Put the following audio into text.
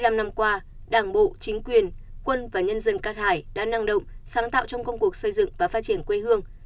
bảy mươi năm năm qua đảng bộ chính quyền quân và nhân dân cát hải đã năng động sáng tạo trong công cuộc xây dựng và phát triển quê hương